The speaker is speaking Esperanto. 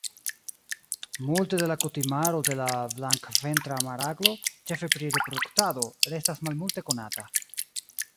Multe de la kutimaro de la Blankventra maraglo, ĉefe pri reproduktado, restas malmulte konata.